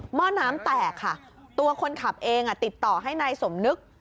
ห้อน้ำแตกค่ะตัวคนขับเองติดต่อให้นายสมนึก